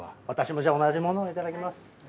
私も同じものをいただきます。